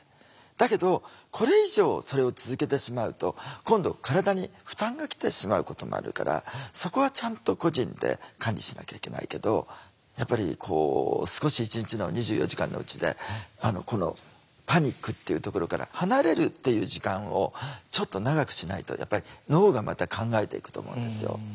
だけどこれ以上それを続けてしまうと今度体に負担がきてしまうこともあるからそこはちゃんと個人で管理しなきゃいけないけどやっぱりこう少し一日の２４時間のうちでパニックっていうところから離れるっていう時間をちょっと長くしないとやっぱり脳がまた考えていくと思うんですよ。